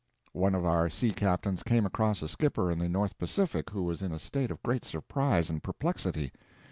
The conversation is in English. One of our sea captains came across a skipper in the North Pacific who was in a state of great surprise and perplexity.